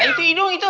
itu idung itu